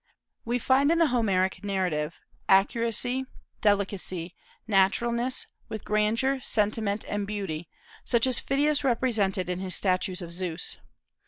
We find in the Homeric narrative accuracy, delicacy, naturalness, with grandeur, sentiment, and beauty, such as Phidias represented in his statues of Zeus.